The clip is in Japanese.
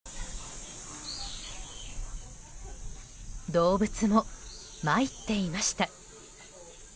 動物もまいっていました。